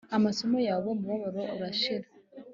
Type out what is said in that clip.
amaso yawe umubabaro urashira